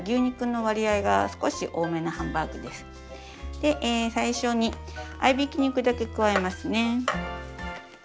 で最初に合いびき肉だけ加えますね。